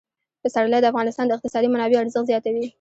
پسرلی د افغانستان د اقتصادي منابعو ارزښت زیاتوي.